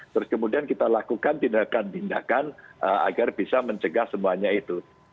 terus kemudian kita lakukan tindakan tindakan agar bisa mencegah semuanya itu